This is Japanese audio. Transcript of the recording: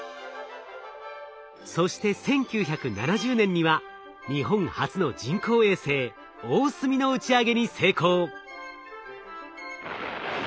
そして１９７０年には日本初の人工衛星「おおすみ」の打ち上げに成功。